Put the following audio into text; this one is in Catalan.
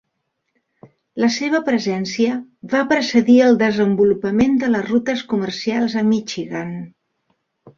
La seva presència va precedir el desenvolupament de les rutes comercials a Michigan.